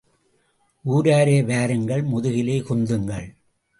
ஊராரே வாருங்கள் முதுகிலே குந்துங்கள்.